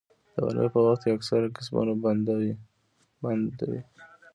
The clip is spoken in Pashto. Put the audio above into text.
د غرمې په وخت کې اکثره کسبونه بنده وي